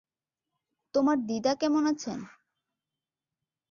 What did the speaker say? তোমার দিদা কেমন আছেন?